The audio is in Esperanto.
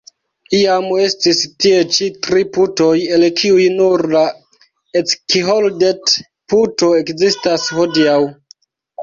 Iam estis tie ĉi tri putoj, el kiuj nur la Eckholdt-puto ekzistas hodiaŭ.